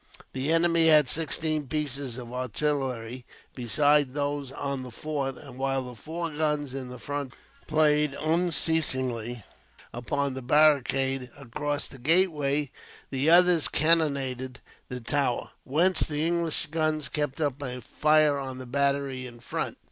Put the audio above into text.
The enemy had sixteen pieces of artillery, besides those on the fort; and while the four guns in front played unceasingly upon the barricade across the gateway, the others cannonaded the tower, whence the English guns kept up a fire on the battery in front.